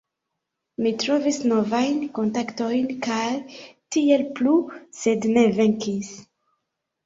Mi trovis novajn kontaktojn kaj tiel plu sed ne venkis